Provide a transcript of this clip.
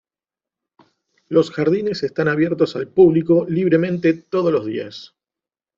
Los jardines están abiertos al público libremente todos los días.